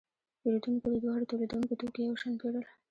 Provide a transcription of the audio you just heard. پیرودونکو د دواړو تولیدونکو توکي یو شان پیرل.